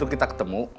kalau kita ketemu